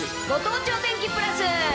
ご当地お天気プラス。